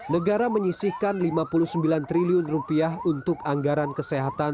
negara menyisihkan lima puluh sembilan triliun rupiah untuk anggaran kesehatan